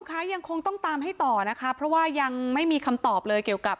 ค่ะยังคงต้องตามให้ต่อนะคะเพราะว่ายังไม่มีคำตอบเลยเกี่ยวกับ